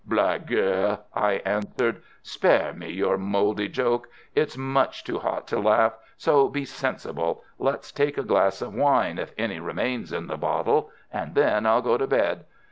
"Blagueur!" I answered. "Spare me your mouldy joke. It's much too hot to laugh, so be sensible. Let's take a glass of wine, if any remains in the bottle, and then I'll go to bed."